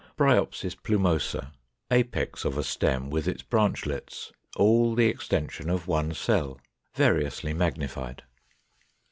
Bryopsis plumosa; apex of a stem with its branchlets; all the extension of one cell. Variously magnified.